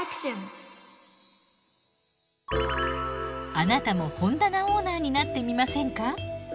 あなたも本棚オーナーになってみませんか？